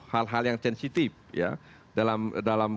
hal hal yang sensitif ya dalam